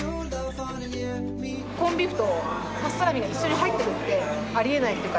コンビーフとパストラミが一緒に入ってるってありえないっていうか